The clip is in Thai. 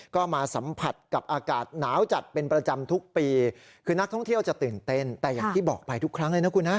ก็มาสัมผัสกับอากาศหนาวจัดเป็นประจำทุกปีคือนักท่องเที่ยวจะตื่นเต้นแต่อย่างที่บอกไปทุกครั้งเลยนะคุณฮะ